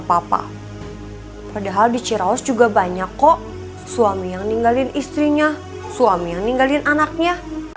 papa padahal di ciraus juga banyak kok suami yang ninggalin istrinya suami yang ninggalin anaknya